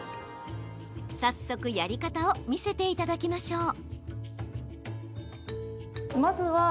早速やり方を見せていただきましょう。